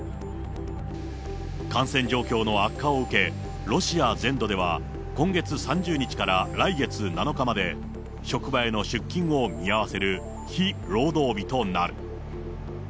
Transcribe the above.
感染状況の悪化を受け、ロシア全土では、今月３０日から来月７日まで、職場への出勤を見合わせる、非労働日となる。